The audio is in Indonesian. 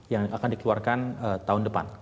yang akan dikeluarkan tahun depan